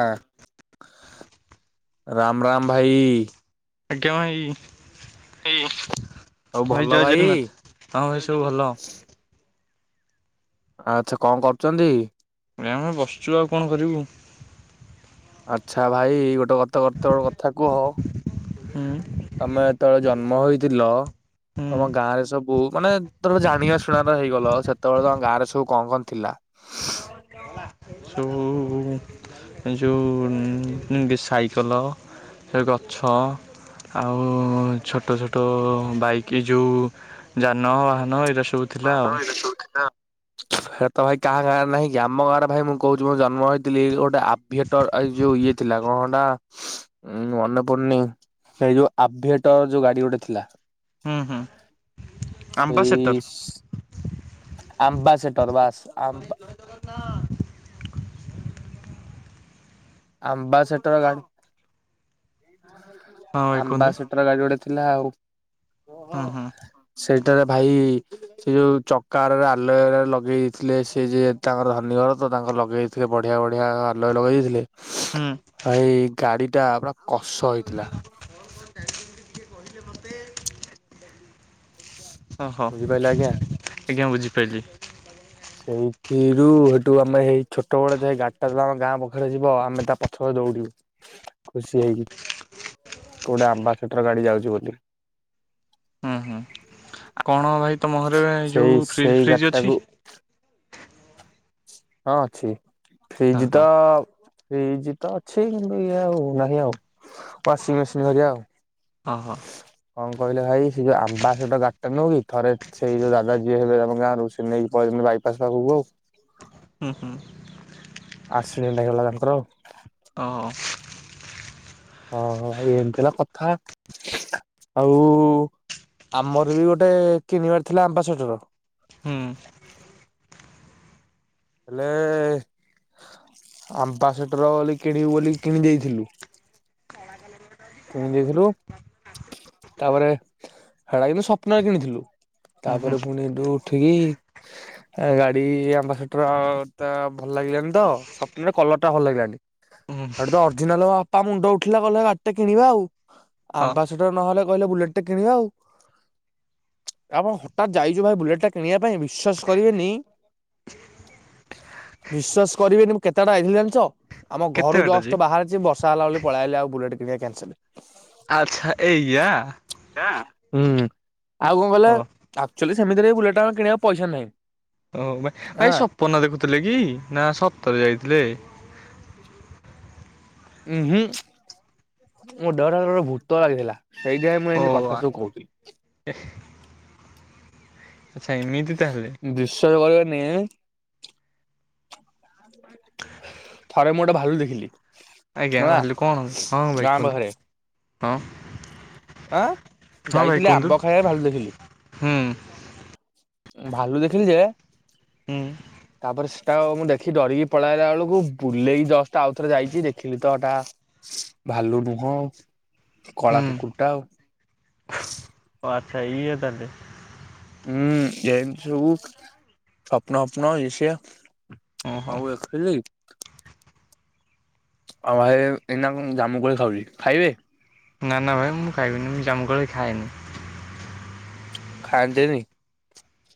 ଆ ରାମ ରାମ ଭାଇ। ଆଜ୍ଞା ଭାଇ। ଆଉ ଭଲ ଭାଇ ଜୟ ଜଗନ୍ନାଥ ହଁ ଜୟ ଭାଇ ସବୁ ଜଗନ୍ନାଥ। ଭଲ। ଆଚ୍ଛା କଣ କରୁଛନ୍ତି? ନାହିଁ ଆମେ ବସିଚୁ ଆଉ କଣ କରିବୁ? ଆଚ୍ଛା ଭାଇ ଗୋଟେ [unintelligible] ଗତର କଥା କୁହ ହୁଁ। ତମେ ଯେତେବେଳେ ଜନ୍ମ ହୋଇଥିଲ ହୁଁ ତମ ଗାଁରେ ସବୁ ମାନେ ତମେ ଜାଣିବା ଶୁଣିବାର ହେଇଗଲ ସେତେବେଳେ ତମ ଗାଁରେ ସବୁ କଣ କଣ ଥିଲା? ହେଲା ସେ ଯୋଉ ଉଁ ବି ସାଇକଲ ସେ ଗଛ ଆଉ ଛୋଟ ଛୋଟ ବାଇକି ଯୋଉ ଯାନବାହନ ଏଇଟା ସ୍ ବାହନ ଏରା ସବୁ ଥିଲା। [inaudible] ହେତ୍ ଭାଇ କାହା ଗାଁ ରେ ନାହିଁ କି ଆମ ଗାଁ ରେ ଭାଇ ମୁଁ କହୁଚି ମୁଁ ଜନ୍ମ ହେଇଥିଲି ଗୋଟେ ଆଭିଏଟର ଅଏ ଯୋଉ ଇଏ ଥିଲା କଣ ଗୋଟା ଉଁ ମନେ ପଡୁନି ସେଇ ଯୋଉ ଆଭିଏଟର ଯୋଉ ଗାଡି ଗୋଟେ ଥିଲା ହୁଁ ହୁଁ। ଆମ୍ବାସେଟର ସେଇ ଆମ୍ବା ସେଟର ବାସ ଆମ୍ବା ହଁ। ଆମ୍ବା ସେଟର ଗାଡି ହଁ ଭାଇ ଆମ୍ବା କୁହନ୍ତୁ ସେଟର ଗାଡି ଗୋଟେ ଥିଲା ଆଉ ହୁଁ ହୁଁ ସେଟାରେ ଭାଇ ସେ ଯୋଉ ଚକା ରେ ଆଲାୟ ର ଲଗେଇ ଦେଇଥିଲେ ସେ ଯଉ ତାଙ୍କର ଧନୀ ଘର ତ ତାଙ୍କର ଲଗେଇଦେଇଥିବେ। ବଢିଆ ବଢିଆ ଆଲୟ ଲଗେଇ ଦେଇ ଥିଲେ। ହୁଁ ଭାଇ ଗାଡି ଟା ପୁରା କଷ ହେଇଥିଲା। ହଁ ହ ବୁଝିପାରିଲେ ଆଜ୍ଞା। ଆଜ୍ଞା ମୁଁ ବୁଝିପାରିଲି। ସେଇଥିରୁ ହେଠୁ ଆମେ ହେଇ ଛୋଟ ବଡ ଗାଡିଟା ଆମ ଗାଁ ପାଖରେ ଯିବ ଆମେ ତା ପଛ ଦଉଡିବୁ ଖୁସି ହେଇକି। [inaudible] କୋଉଟା ଆମ୍ବା ସେଟର ଗାଡି ଯାଉଛି ବୋଧେ। ହୁଁ ହୁଁ କଣ ଭାଇ ତମ ଘରେ ସେଇ ଯୋଉ ସେଇ ଫ୍ରିଜ ଫ୍ରିଜ ଗାଡିଟାକୁ ଅଛି? ହଁ ଅଛି ଫ୍ରିଜ ଓହୋ ତ ଫ୍ରୀଜ ତ ଅଛି କିନ୍ତୁ ଇଏ ଆଉ ନାହିଁ ଆଉ ୱାସିଂ ମେସିନ ହେରୀକା। ଓହୋ କଣ କହିଲେ ଭାଇ? ସେ ଆମ୍ବା ସେଟର ଗାଡିଟା ନୁହୁ କି ଥରେ ସେଇ ଦାଦା ଯଉ ହେବେ ଆମ ଗାଁ ରୁ ସେ ନେଇକି ପଳେଇଛନ୍ତିି ବାଇ ପାସ ପାଖକୁ ଆଉ। ହୁଁ ହୁଁ। ଏକ୍ସିଡେଣ୍ଟ ହେଇଗଲା ତାଙ୍କର ଆଉ। ଓହୋ ହ ଏନ୍ତିଲା କଥା ଆଉ ଆମର ବି ଗୋଟେ କିଣିବାର ଥିଲା ଆମ୍ବା ସେଠର। ହୁଁ। ହେଲେ ଆମ୍ବା ସେଟର ବୋଲି କିଣିବୁ ବୋଲି କିଣି ଦେଇେଇଥିଲୁ। କିଣି ଦେଇଥିଲୁ ତାପରେ ହେଡା କିନ୍ତୁ ସ୍ୱପ୍ନରେ କିଣିଥିଲୁ। ହୁଁ ତାପରେ ପୁଣି ଏଠୁ ଉଠିକି ଗାଡି ଆମ୍ବା ସେଠର ଆ ତା ଭଲ ଲାଗିଲାନି ତ ସପ୍ନରେ କଲର ଟା ଭଲ ଲାଗିଲାନି ହୁଁ ତ ଅର୍ଜିନାଲ ମୋ ବାପା ମୁଣ୍ଡ ଉଠିଲା ଗଲେ କିଣିବା ଆଉ ହୁଁ ଆମ୍ବାସଟର ନହେଲେ କହିଲେ ବୁଲେଟ ଟେ କିଣିବା ଆଉ। [unintelligible] ହଠାତ ଯାଇଛୁ ଭାଇ ବୁଲେଟ ଟା କିଣିବା ପାଇଁ ବିଶ୍ବାାସ କରିବେନି ବିଶ୍ୱାସ କରିବେନି ମୁଁ କେତେବାଟ ଆଇଥିଲି ଜାଣିଛ? ଆମ କେତେ ଘରୁ ବାଟ ଯେ ଜଷ୍ଟ ବାହାରିଛି ବର୍ଷା ହେଲା ବୋଲି ପଳେଇଆଇଲି ଆଉ ବୁଲେଟ କିଣିବା କ୍ୟାନସେଲ। ଆଚ୍ଛା ଏଇଆ। ହୁଁ ଆଉ କଣ କଲେ ଓ ଆକ୍ଚୁଆଲି ସେମିତିରେ ବୁଲେଟା ଆମେ କିଣିବାକୁ ପଇସା ନାହିଁ। ଓ ଭାଇ ଭାଇ ହଁ ସପନ ଦେଖୁଥିଲେ କି ନା ସତରେ ଯାଇଥିଲେ। ଥିଲେ। ଉଁ ହୁଁ ମୋ [unintelligible] ଗୋଟେ ଭୂତ ଆଇଥିଲା। ସେଇଥିାଇଁ ମୁଁ ଓ ଏମିତି କଥା ସବୁ କହୁଥିଲି। ଆଚ୍ଛା ଏମିତି ତାହେଲେ ବିଶ୍ୱାସ କରିବନିି ଥରେ ମୁଁ ଗୋଟେ ଭାଲୁ ଦେଖିଲି। ଆଜ୍ଞା ହେଲା ଭାଲୁ କଣ ହେବ ହଁ ଭାଇ ଗାଁ କୁହନ୍ତୁ ପାଖରେ ହଁ ଆଁ ହଁ ଭାଇ ଯାଇଥିଲି କୁହନ୍ତୁ ଆମ୍ବ ଖାଇବାକୁ ଭାଲୁ ଦେଖିଲି। ହୁଁ ଭାଲୁ ଦେଖିଲି ଯେ ହୁଁ ତାପରେ ସେ [unintelligible] ମୁଁ ଦେଖି ଡରିକି ପଳେଇଲା ବେଳକୁ ବୁଲେଇକି ଜଷ୍ଟ ଆଉଥରେ ଯାଇଛି ଦେଖିଲି ତଟା ଭାଲୁ ନୁହଁ ଆଉ କଳା ହୁଁ କୁକୁରଟା ଆଉ। ଓ ଆଚ୍ଛା ଏଇୟା ତାଲେ। ହୁଁ ଏମିତି ସବୁ ସ୍ବପ୍ନ ଫୋପନ ଇଏ ସିଏ ଓହୋ ହଉ ଏ ଖିଲି ଆଉ ଭାଇ ଏ ଏଇନା କ ମୁଁ ଜାମୁ କୋଳି ଖାଉଛି ଖାଇବେ? ନା ନା ଭାଇ ମୁଁ ଖାଇବିନି ମୁଁ ଜାମୁ କୋଳି ଖାଏନି। ଖାନ୍ତିନି?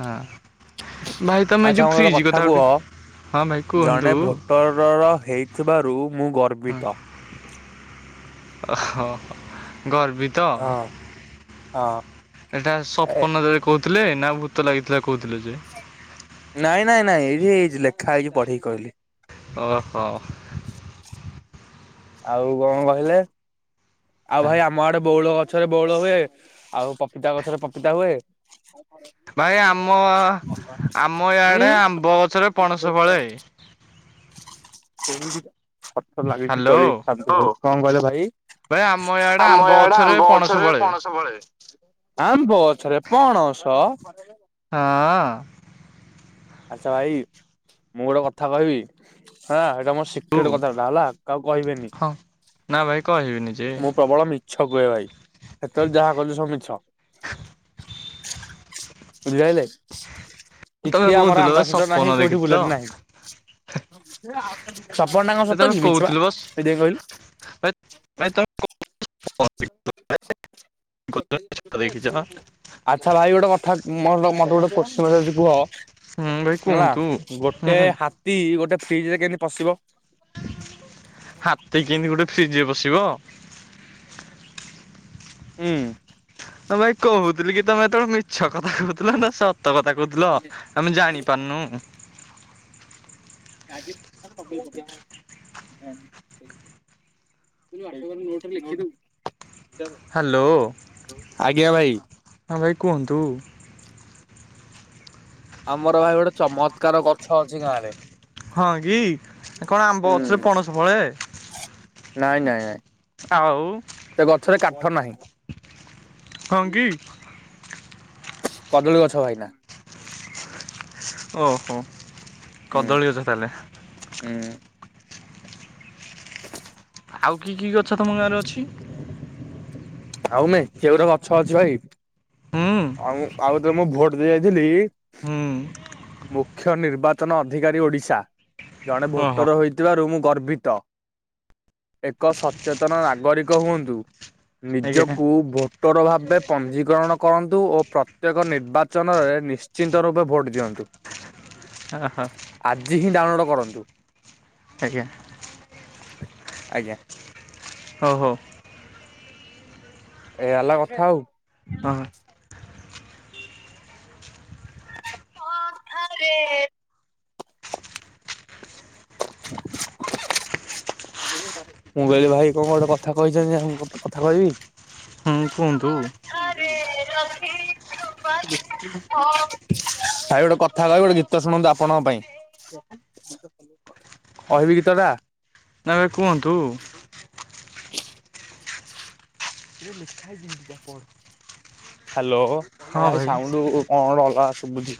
ହଁ ଭାଇ ତମେ ଆଚ୍ଛା ଯୋଉ ମତେ ଗୋଟେ ଫ୍ରିଜ କଥା କୁହ ଆଉଠି ଜଣେ ଭୋଟରର ହେଇଥିବାରୁ ମୁଁ ଗର୍ବିତ। ଓହୋ ଗର୍ବିତ? ହଁ ହଁ ଏଟା ଏ ସପନରେ କହୁଥିଲେ ନା ଭୂତ ଲାଗିଥିଲା କହୁଥିଲେ ଯେ? ବଢ଼େଇ କହିଲେ ଅହ ଆଉ କଣ କହିଲେ ଆଉ ଭାଇ ଆମ ଆଡେ ବଉଳ ଗ ଗଛରେ ବଉଳ ହୁଏ ଆଉ ପପିତା ଗଛରେ ପପିତା ହୁଏ। ଭାଇ ଆମ ଆମ ୟାଡେ ଉଁ ଆମ୍ବ ଗଛରେ ପଣସ ଫଳେ। କଣ କହିଲ ହ୍ୟାଲୋ ଭାଇ? ଆମ ୟାଡେ ଭାଇ ଆମ ଇଆଡେ ଆମ୍ବ ପଣସ ଗଛରେ ଫଳେ। ପଣସଫଳେ। ଆମ୍ବ ଗଛରେ ପଣସ? ହଁ। ଆଚ୍ଛା ଭାଇ ମୁଁ ଗୋଟେ କଥା କହିବି? ହଁ। ଏଟା ମୋର ସିକ୍ରେଟ କଥା ଟା ହେଲା କାହାକୁ କହିବେନି। ହଁ ନା ଭାଇ କହିବିନି ଯେ ମୁଁ ପ୍ରବଳ ମିଛ କୁହେ ଭାଇ ସେତେବେଳେ ଯାହା କହିଲି ସବୁ ମିଛ। ଵୁଝିପାଇଲେ ତମେ କିଛି ଆମର କହୁଥିଲ ବା ଆମ୍ବାସେଟର ସପନ ନାହିଁ କୋଉଠି ଦେଖିଥିଲ ବୁଲେଟ ନାହିଁ। ସପନଟା କଣ ଏ ସତ ତମେ କି ମିଛୁ ପା କହୁଥିଲ ବା ସେଥିପାଇଁ କହିଲୁ। ଭାଇ [unintelligible] ଦେଖିଛ ହୁଁ ଆଚ୍ଛା ଭାଇ ଗୋଟେ କଥା ମ ତ ମତେ ଗୋଟେ ପ୍ରଶ୍ନ ପଚାରୁଛି କୁହ ଭାଇ ହେଲା। କୁହନ୍ତୁ। ହୁଁ ଗୋଟେ ହାତୀ ଗୋଟେ ଫ୍ରିଜରେ କେମିତି ପସିବ? ହାତୀ କେମିତି ଗୋଟେ ଫ୍ରିଜରେ ପସିବ? ହୁଁ। ହଁ ଭାଇ କହୁଥିଲି କି ତମେ ହେତେବେଳେ ମିଛ କଥା କହୁଥିଲ ନା ସତ ସତ କଥା କହୁଥିଲ ଆମେ ଜାଣି ପାରୁନୁ। ଆଜି [unintelligible] ଅଟ ନଟ ଲେଖୁ ହ୍ୟାଲୋ ଆଜ୍ଞା ଭାଇ। ହଁ ଭାଇ କୁହନ୍ତୁ? ଆମର ଭାଇ ଗୋଟେ ଚମତ୍କାର ଗଛ ଅଛି ଗାଁ ରେ ହଁ କି କଣ ଆମ୍ବ ହୁଁ ଗଛରେ ପଣସ ଫଳେ ନାଇଁ ନାଇଁ ନାଇଁ ଆଉ ସେ ଗଛରେ କାଠ ନାହିଁ। ହଁ କି କଦଳୀ ଗଛ ଭାଇନା। ଓହୋ କଦଳୀ ଗଛ ତାହେଲେ? ହଁ। [unintelligible] ଆଉ କି କି ଗଛ ତମ ଗାଁରେ ଅଛି? ଆଉ ମେଞ୍ଚେ ଗୁରେ ଗଛ ଅଛି ଭାଇ। ହୁ। ଆଉ ଆଉ ତେବେଳେ ମୁଁ ଭୋଟ ଦେଇ ଯାଇଥିଲି ହୁଁ ମୁଖ୍ୟ ନିର୍ବାଚନ ଅଧିକାରୀ ଓଡ଼ିଶା ଜଣେ ଓହୋ ଭୋଟର ହୋଇଥିବାରୁ ମୁଁ ଗର୍ବିତ। ଏକ ସଚେତନ ନାଗରିକ ହୁଅନ୍ତୁ। ଆଜ୍ଞା ନିଜକୁ ଭୋଟର ଭାବେ ପଞ୍ଜୀକରଣ କରନ୍ତୁ ଓ ପ୍ରତ୍ୟେକ ନିର୍ବାଚନରେ ନିଶ୍ଚିତ ରୂପେ ଭୋଟ୍ ଦିଅନ୍ତୁ। ଓହୋ ଆଜି ହିଁ ଡାଉନଲୋଡ୍ କରନ୍ତୁ। ଆଜ୍ଞା। ଆଜ୍ଞା। ହଉ ହଉ। ଏଇଆ ହେଲା କଥା ଆଉ। ହଁ। ହ ଆରେ [inaudible] ମୁଁ କହିଲି ଭାଇ କଣ ଗୋଟେ କଥା କହିଛନ୍ତି [unintelligible] କଥା କହିବି। ହଁ କୁହନ୍ତୁ। [unintelligible] ଭାଇ ଗୋଟେ କଥା କହିବି ଗୋଟେ ଗୀତ ଶୁଣନ୍ତୁ ଆପଣଙ୍କ ପାଇଁ। କହିବି ଗୀତଟା? ନା ଭାଇ କୁହନ୍ତୁ। ଏ ମିଠା ଜିନଷ କଣ? ହାଲୋ ହଁ ଭାଇ ସାଉଣ୍ଡୁ କଣ ଅଲଗା ଶୁଭୁଛି।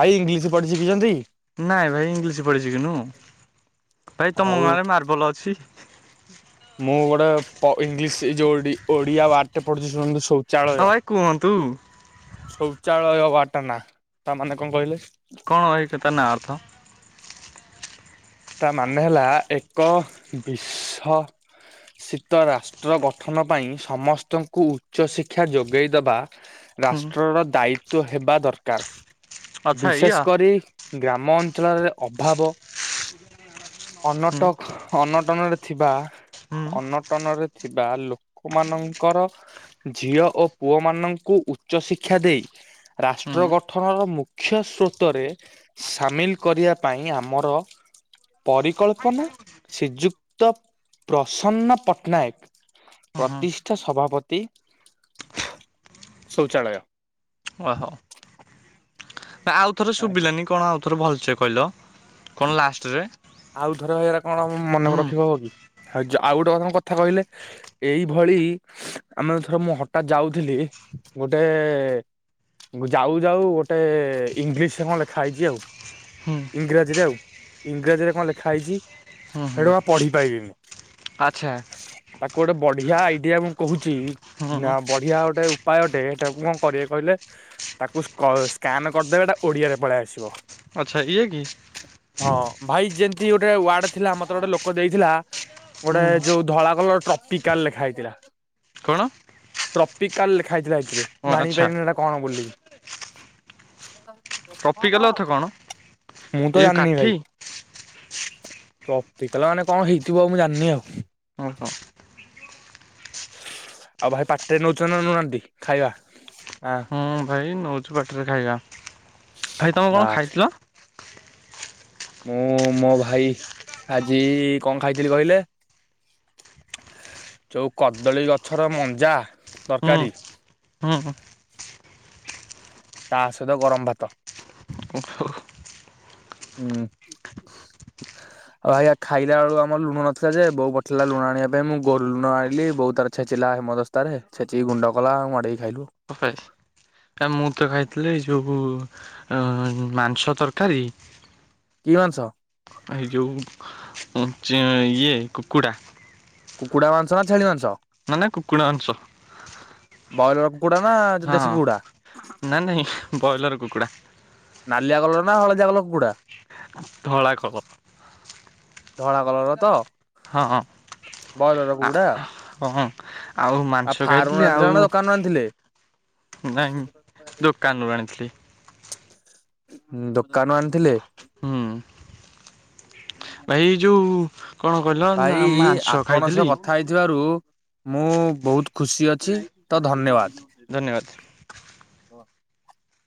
ଭାଇ ଇଂଲିଶ ପଢି ଶିଖିଛନ୍ତି। ନାଇଁ ଭାଇ ଇଂଲିଶ ପଢି ଶିଖିନୁ। ଭାଇ ତମ ଆଉ ଗାଁରେ ମାର୍ବଲ ଅଛି। ମୁଁ ଗୋଟେ ପ ଇଂଲିଶି ଏ ଯୋଉ ଓଡି ଓଡିଆ ୱାର୍ଡ ଟେ ପଢୁଛି ଶୁଣନ୍ତୁ ସ ହଁ ଭାଇ କୁହନ୍ତୁ। ଶୌଚାଳୟ ୱାର୍ଡ ତା ନା ତା ମାନେ କଣ କହିଲେ? କଣ ଭାଇ ତା ନାଁ ଅର୍ଥ ତା ମାନେ ହେଲା ଏକ ବିଶ ଶିତ ରାଷ୍ଟ୍ର ଗଠନ ପାଇଁ ସମସ୍ତଙ୍କୁ ଉଚ୍ଚଶିକ୍ଷା ଯୋଗେଇ ଦବା ହୁଁ ରାଷ୍ଟ୍ରର ଦାୟିତ୍ଵ ହେବା ଦରକାର, ଆଚ୍ଛା ଏଇଆ ବିଶେଷ କରି ଗ୍ରାମ ଅଞ୍ଚଳରେ ଅଭାବ [inaudible] ହୁଁ ଅନଟକ୍ ଅନଟନରେ ଥିବା ହୁଁ ଅନଟନରେ ଥିବା ଲୋକ ମାନଙ୍କର ଝିଅ ଓ ପୁଅ ମାନଙ୍କୁ ଉଚ୍ଚ ଶିକ୍ଷା ଦେଇ ହୁଁ ରାଷ୍ଟ୍ର ଗଠନର ମୁଖ୍ୟ ସ୍ରୋତରେ ସାମିଲ କରିବା ପାଇଁ ଆମର ପରିକଳ୍ପନା ଶ୍ରୀଯୁକ୍ତ ପ୍ରସନ୍ନ ପଟ୍ଟନାୟକ, ହୁଁ ପ୍ରତିଷ୍ଠା ସଭାପତି ଶୌଚାଳୟ। ଓହୋ ନା ଆଉଥରେ ଶୁଭିଲାନି କଣ ଆଉଥରେ ଭଲସେ କହିଲ କଣ ଲାଷ୍ଟରେ ଆଉଥରେ ହେରା କଣ ମନେ ହୁଁ ରଖି ହବ କି? ଆଉ ଯୋ ଆଉ ଗୋଟେ କଣ କଥା କହିଲେ ଏଇଭଳି ଆମେ ଥରେ ମୁଁ ହଠାତ୍ ଯାଉଥିଲି ଗୋଟେ ଗୁ ଯାଉ ଯାଉ ଗୋଟେ ଇଂଲିଶରେ କଣ ଲେଖା ହେଇଚି ଆଉ। ହୁଁ ଇଂରାଜୀରେ ଆଉ ଇଂରାଜୀରେ କଣ ଲେଖା ହେଇଚି ହୁଁ ହୁଁ ତାକୁ ଆଉ ପଢି ପାଇଲିନି। ଆଚ୍ଛା ତାକୁ ଗୋଟେ ବଢିଆ ଆଇଡିଆ ମୁଁ କହୁଚ ଚି ହୁଁ ନା ବଢିଆ ଗୋଟେ ଉ ପାୟ ଅଟେ ସେଟାକୁ କଣ କରିବେ କହିଲେ ତାକୁ ସ୍କ ସ୍କାନ କରଦେବେ ସେଟା ଓଡ଼ିଆରେ ପଳେଇ ଆସିବ। ଆଚ୍ଛା ଇଏ କି। ହଁ ଭାଇ ଯେମତି ଗୋଟେ ୱାର୍ଡ ଥିଲା ମତେ ଗୋଟେ ଲୋକ ଦେଇଥିଲା ଗୋଟେ ହୁଁ ଯୋଉ ଧଳା କଲର ଟ୍ରପିକାଲ ଲେଖା ହେଇଥିଲା କଣ ଟ୍ରପିକାଲ ଲେଖା ହେଇଥିଲା ସେଥିରେ। ଜାଣି ଆଚ୍ଛା ପାଇଲିନି ସେଟା କଣ ବୋଲି। ଟପିକାଲ ଅର୍ଥ କଣ ମୁଁ ତ ଏଇ ଯୋଉ ଜାଣନି କାଠି ଭାଇ। ଟ୍ରପିକାଲ ମାନେ କଣ ହେଇଥିବ ମୁଁ ଜାଣନି ଆଉ। ଅ ହ। ଆଉ ଭାଇ ପାଟିରେ ନଉଛନ୍ ନା ନଉ ନାହାନ୍ତି ଖାଇବା? ଆଁ ହଁ ଭାଇ ନଉଛୁ ପାଟିରେ ଖାଇବା। ଭାଇ ତୋମେ କଣ ବାସ୍ ଖାଇଥିଲ? ମୁଁ ମୋ ଭାଇ ଆଜି କଣ ଖାଇଥିଲି କହିଲେ ଯୋଉ କଦଳୀ ଗଛର ମଞ୍ଜା ତରକାରୀ ହଁ, ହଁ। ତା ସହିତ ଗରମ ଭାତ। [inaudible] ହୁଁ। ଆଉ ଭାଇଆ ଖାଇଲା ବେଳୁ ଆମର ଲୁଣ ନଥିଲା ଯେ ବୋଉ ପଠେଇଲା ଲୁଣ ଆଣିବା ପାଇଁ ମୁଁ ଗ-ଲୁଣ ଆଣିଲି ବୋଉ ତାର ଛେଚିଲା ହେମଦସ୍ତାରେ ଛେଚିକି ଗୁଣ୍ଡ କଲା ମଡେଇ ଖାଇଲୁ। କମ ମୁଁ ତ ଖାଇଥିଲି ଯୋଉ ଅଁ, ମାଂସ ତରକାରୀ। କି ମାଂସ? ହେଇ ଯୋଉ ଉଁ, ଚେଁ ଇଏ କୁକୁଡ଼ା। କୁକୁଡ଼ା ମାଂସ ନା ଛେଳି ମାଂସ? ମାନେ କୁକୁଡ଼ା ମାଂସ। ବଏଲର କୁକୁଡା ନା ଯୋ ହଁ ଦେଶୀ କୁକୁଡା? ନା ନାଇଁ ବ୍ରଏଲର କୁକୁଡ଼ା ନାଲିଆ କଲର୍ ନା ହଳଦିଆ କଲର୍ କୁକୁଡ଼ା? ଧଳା କଲ ଧଳା କଲର୍ ର ତ? ହଁ, ବଏଲର ଆ, କୁକୁଡା ହଁ। ଆଉ ମାଂସ ଫାର୍ମରୁ ଖାଇଥିଲି। ଆଣିଥିଲେ ଆଉ ନା ଦୋକାନରୁ ଆଣିଥିଲେ ନାଇଁ। ଦୋକାନରୁ ଆଣିଥିଲି। ହୁଁ, ଦୋକାନ ଆଣିଥିଲେ? ହୁଁ। ଭାଇ ଏ ଯୋଉ କଣ କହିଲ ନା ଭାଇ ମାଂସ ଆପଣ ସହ ଖାଇଥିଲି କଥା ହେଇଥିବାରୁ ମୁଁ ବହୁତ ଖୁସି ଅଛି ତ ଧନ୍ୟବାଦ୍। ଧନ୍ୟବାଦ। [unintelligible]